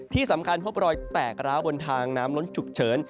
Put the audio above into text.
ที่สำคัญพบรอยแตกร้าวบนทางน้ำล้นฉุกเฉิน